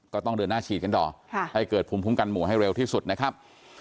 ก็ต้องเดินหน้าฉีดกันต่อให้เกิดภูมิคุ้มกันหมู่ให้เร็วที่สุดนะครับ